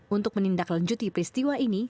untuk menindaklanjuti peristiwa ini